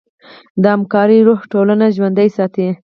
د همکارۍ روح ټولنه ژوندۍ ساتي.